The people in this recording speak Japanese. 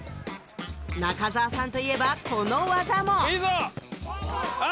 中澤さんと言えばこの技もいいぞあ！